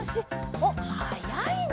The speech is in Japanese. おっはやいね！